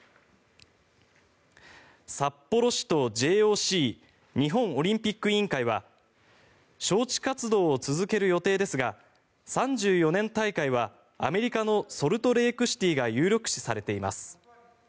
札幌市とＪＯＣ・日本オリンピック委員会は招致活動を続ける予定ですが３４年大会はアメリカのソルトレークシティーが有力視されています。